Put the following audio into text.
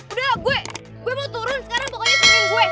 udah gue gue mau turun sekarang pokoknya pengen gue